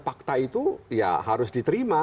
fakta itu ya harus diterima